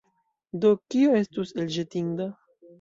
Do kio estus elĵetinda?